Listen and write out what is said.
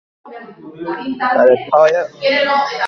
Soziologo, filosofo eta politikaria zen.